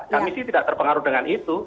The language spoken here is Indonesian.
kami sih tidak terpengaruh dengan itu